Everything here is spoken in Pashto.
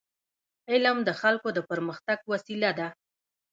علم د خلکو د پرمختګ وسیله ده.